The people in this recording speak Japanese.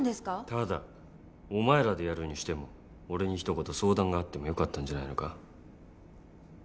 ただお前らでやるにしても俺に一言相談があってもよかったんじゃないのか？